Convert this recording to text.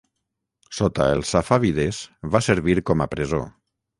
Sota els safàvides va servir com a presó.